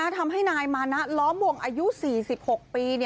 ทำให้นายมานะล้อมวงอายุ๔๖ปี